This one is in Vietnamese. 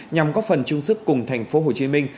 nhằm góp phần chung sức cùng thành phố hồ chí minh